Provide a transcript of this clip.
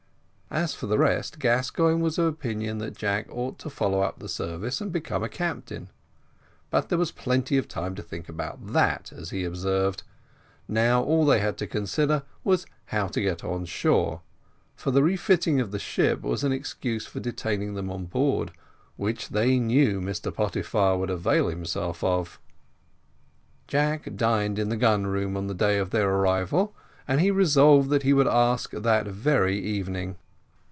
As for the rest, Gascoigne was of opinion that Jack ought to follow up the service, and become a captain, but there was plenty of time to think about that, as he observed, now all they had to consider was how to get on shore; for the refitting of the ship was an excuse for detaining them on board, which they knew Mr Pottyfar would avail himself of. Jack dined in the gun room on the day of their arrival, and he resolved that he would ask that very evening.